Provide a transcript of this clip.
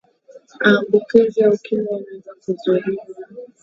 aambukizi ya ukimwi yanaweza kuzuiliwa